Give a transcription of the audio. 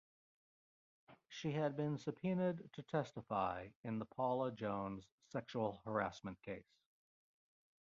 She had been subpoenaed to testify in the Paula Jones sexual harassment case.